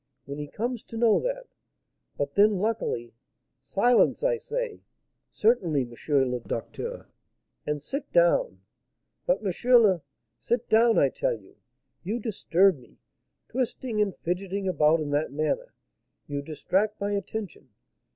when he comes to know that But, then, luckily " "Silence! I say." "Certainly, M. le Docteur." "And sit down." "But, M. le " "Sit down, I tell you! You disturb me, twisting and fidgeting about in that manner, you distract my attention.